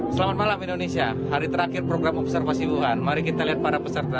selamat malam indonesia hari terakhir program observasi wuhan mari kita lihat para peserta